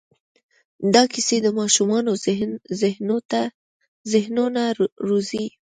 دا کیسې د ماشومانو ذهنونه روزي.